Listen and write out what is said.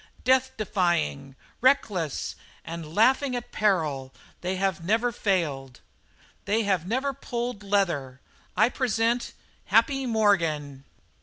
Death defying, reckless, and laughing at peril, they have never failed; they have never pulled leather. I present 'Happy' Morgan!"